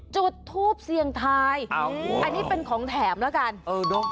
จุดทูปเสี่ยงทายอันนี้เป็นของแถมแล้วกันเออเนอะ